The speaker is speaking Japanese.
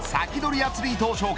アツリートを紹介。